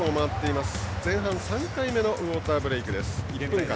前半３回目のウォーターブレイク。